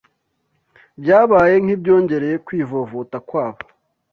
byabaye nk’ibyongereye kwivovota kwabo